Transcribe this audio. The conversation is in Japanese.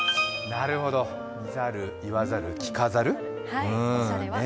なるほど、見ざる言わざる聞かざる。